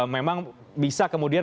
memang bisa kemudian